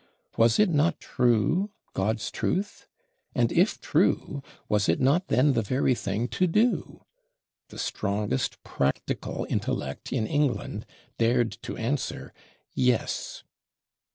Was it not true, God's truth? And if true, was it not then the very thing to do? The strongest practical intellect in England dared to answer, Yes!